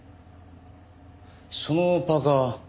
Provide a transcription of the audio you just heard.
そのパーカ。